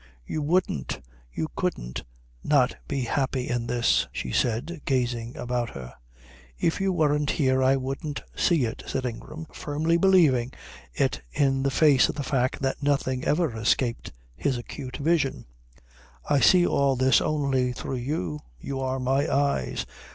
"You wouldn't. You couldn't not be happy in this," she said, gazing about her. "If you weren't here I wouldn't see it," said Ingram, firmly believing it in the face of the fact that nothing ever escaped his acute vision. "I see all this only through you. You are my eyes.